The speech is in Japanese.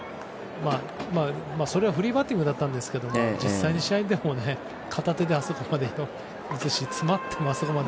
それはフリーバッティングだったんですけど実際に試合でも片手であそこまで移し詰まってもあそこまで。